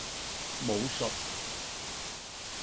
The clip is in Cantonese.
武術